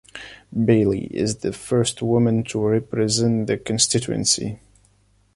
Baillie is the first woman to represent the constituency.